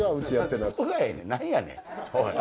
なんやねんおい。